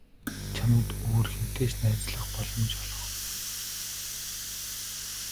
Чамд өөр хэнтэй ч найзлах боломж олгохгүй.